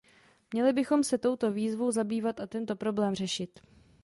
Měli bychom se touto výzvou zabývat a tento problém řešit.